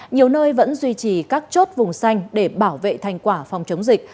nhiều nơi vẫn duy trì các chốt vùng xanh để bảo vệ thành quả phòng chống dịch